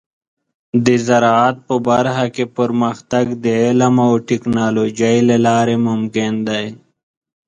د زراعت په برخه کې پرمختګ د علم او ټیکنالوجۍ له لارې ممکن دی.